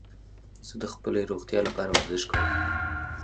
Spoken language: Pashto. زه د خپلې روغتیا لپاره ورزش کوم.